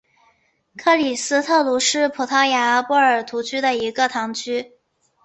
克里斯特卢是葡萄牙波尔图区的一个堂区。